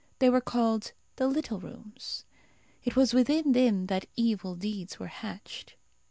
They were called "The Little Rooms." It was within them that evil deeds were hatched.